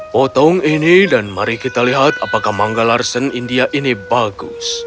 potong ini dan mari kita lihat apakah mangga larsen india ini bagus